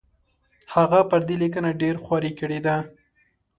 هغه پر دې لیکنه ډېره خواري کړې ده.